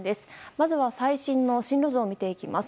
まずは最新の進路図を見ていきます。